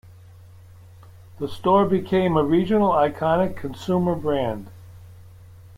The store became a regional Iconic Consumer brand.